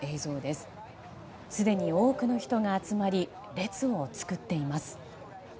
すでに多くの人が集まり列を作っています。